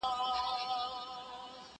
پاچهي دي مبارک سه چوروندکه